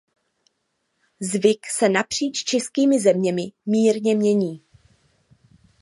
Zvyk se napříč českými zeměmi mírně mění.